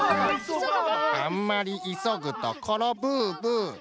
あんまりいそぐところブーブー。